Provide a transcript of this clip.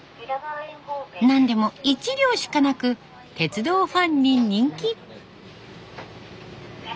何でも１両しかなく鉄道ファンに人気。